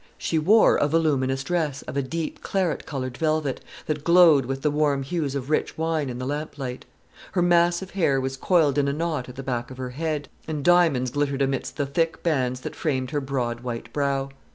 She wore a voluminous dress of a deep claret coloured velvet, that glowed with the warm hues of rich wine in the lamplight. Her massive hair was coiled in a knot at the back of her head, and diamonds glittered amidst the thick bands that framed her broad white brow.